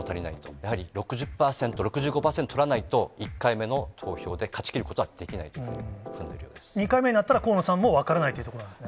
やはり６０％、６５％を取らないと１回目の投票で勝ちきることはできないと踏ん２回目になったら、河野さんも分からないというところなんですね。